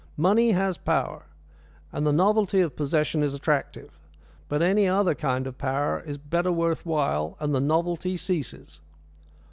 Money has power, and the novelty of possession is attractive. But any other kind of power is better worth while, and the novelty ceases."